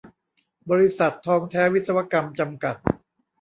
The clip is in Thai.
บริษัท ทองแท้วิศวกรรม จำกัด